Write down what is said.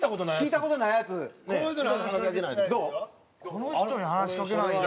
「この人に話しかけないで」は。